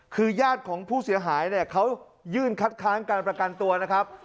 คือญาติของผู้เสียหายเนี่ยเขายื่นคัดค้านการประกันตัวนะครับ